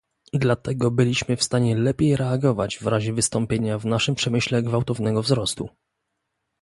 Dlatego byliśmy w stanie lepiej reagować w razie wystąpienia w naszym przemyśle gwałtownego wzrostu